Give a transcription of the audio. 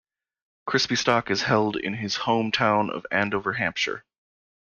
Crispystock is held in his home town of Andover, Hampshire.